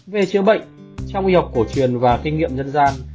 về chữa bệnh trong y học cổ truyền và kinh nghiệm dân gian